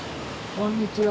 こんにちは。